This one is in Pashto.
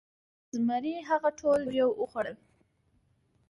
زمري هغه ټول یو یو وخوړل.